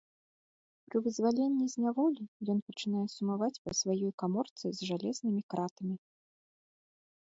Пры вызваленні з няволі ён пачынае сумаваць па сваёй каморцы з жалезнымі кратамі.